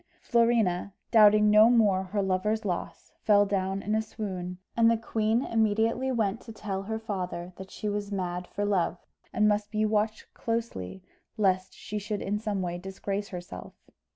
Florina, doubting no more her lover's loss, fell down in a swoon, and the queen immediately went to tell her father that she was mad for love, and must be watched closely lest she should in some way disgrace herself.